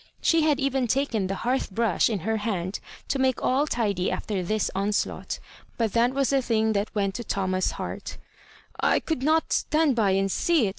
She had eyen taken the hearth brush in her hand to make all tidy after this onslaught, but that was a thing that went to Thomas's heart "I couldn't stand by and see it.